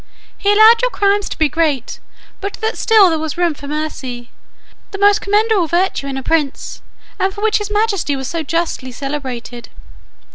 He allowed your crimes to be great, but that still there was room for mercy, the most commendable virtue in a prince, and for which his majesty was so justly celebrated.